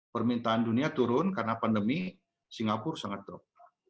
permintaan dunia turun karena pandemi singapura sangat drop